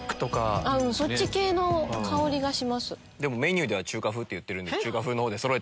でもメニューでは中華風っていってるんで。